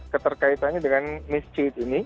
keterkaitannya dengan misi ini